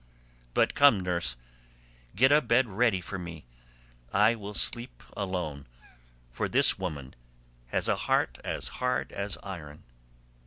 But come, nurse, get a bed ready for me; I will sleep alone, for this woman has a heart as hard as iron."